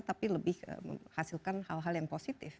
tapi lebih menghasilkan hal hal yang positif